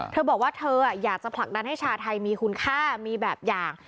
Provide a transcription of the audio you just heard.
เธอบอกว่าเธออยากจะผลักดันให้ชาวไทยมีคุณค่ามีแบบอย่าง